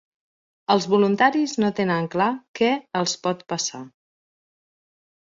Els voluntaris no tenen clar què els pot passar.